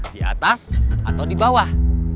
di atas atau di bawah